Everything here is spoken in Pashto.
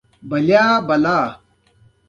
هر پښتون دې ووايي پښتو زما مورنۍ ژبه ده.